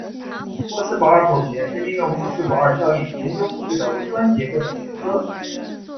穆斯堡尔谱学是应用穆斯堡尔效应研究物质的微观结构的学科。